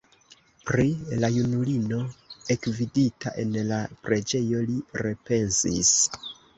Pri la junulino ekvidita en la preĝejo li repensis.